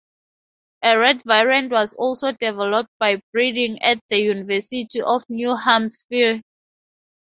A red variant was also developed by breeding at the University of New Hampshire.